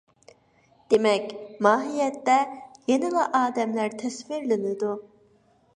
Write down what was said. دېمەك، ماھىيەتتە يەنىلا ئادەملەر تەسۋىرلىنىدۇ.